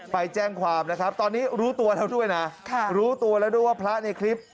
ไปแจ้งความนะครับตอนนี้รู้ตัวแล้วด้วยนะรู้ตัวแล้วด้วยว่าพระในคลิป